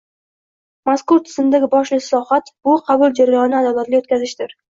Mazkur tizimdagi bosh islohot — bu qabul jarayonini adolatli oʻtkazishdir.